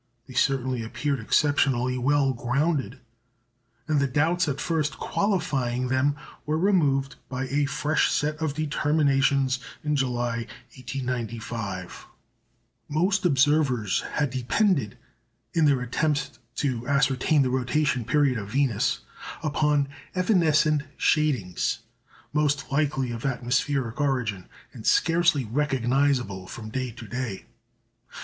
They certainly appeared exceptionally well grounded; and the doubts at first qualifying them were removed by a fresh set of determinations in July, 1895. Most observers had depended, in their attempts to ascertain the rotation period of Venus, upon evanescent shadings, most likely of atmospheric origin, and scarcely recognisable from day to day.